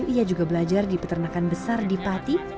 ia juga belajar di peternakan besar di pati